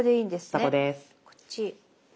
そこです。